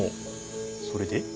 それで？